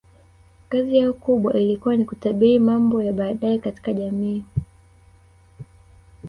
Kazi yao kubwa ilikuwa ni kutabiri mambo ya baadaye katika jamii